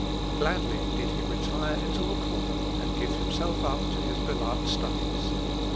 Gladly did he retire into a corner, and give himself up to his beloved studies.